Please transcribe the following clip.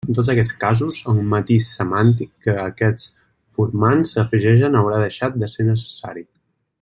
En tots aquests casos el matís semàntic que aquests formants afegeixen haurà deixat de ser necessari.